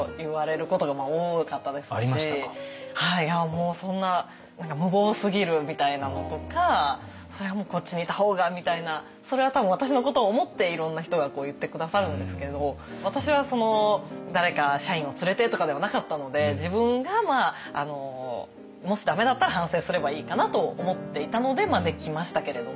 もうそんな何か無謀すぎるみたいなのとかそれはもうこっちにいた方がみたいなそれは多分私のことを思っていろんな人が言って下さるんですけど私は誰か社員を連れてとかではなかったので自分がもし駄目だったら反省すればいいかなと思っていたのでまあできましたけれども。